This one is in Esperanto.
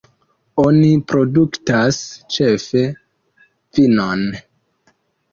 Oni produktas ĉefe vinon.